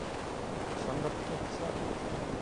Jag samlar på kepsar!